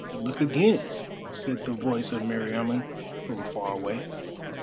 "Look again," said the voice of Meriamun from far away.